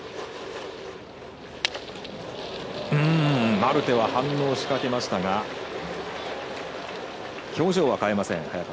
マルテは反応しかけましたが表情は変えません、早川。